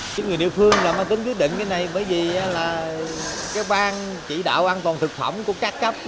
chính người địa phương tính quyết định cái này bởi vì ban chỉ đạo an toàn thực phẩm của các cấp